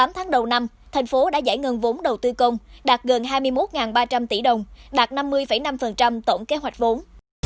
tám tháng đầu năm thành phố đã giải ngân vốn đầu tư công đạt gần hai mươi một ba trăm linh tỷ đồng đạt năm mươi năm tổng kế hoạch vốn